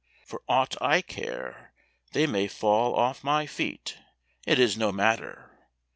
For aught I care they may fall off my feet, it is no matter.